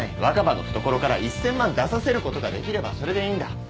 若葉の懐から１，０００万出させることができればそれでいいんだ。